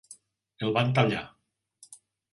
El van tallar.